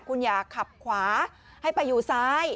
คุณอย่าขับขวาให้ไปอยู่ซ้าย